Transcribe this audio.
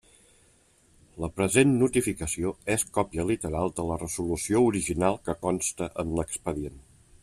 La present notificació és còpia literal de la resolució original que consta en l'expedient.